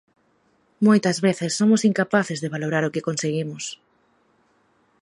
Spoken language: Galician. Moitas veces somos incapaces de valorar o que conseguimos.